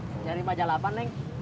cari majalah apa neng